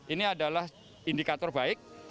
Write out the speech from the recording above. ini adalah indikator baik